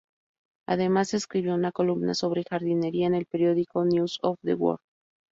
Además, escribía una columna sobre jardinería en el periódico "News of the World".